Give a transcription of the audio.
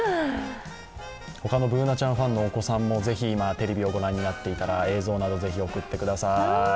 他のＢｏｏｎａちゃんファンのお子さんも、ぜひ、テレビをご覧になっていたら映像などぜひ送ってください。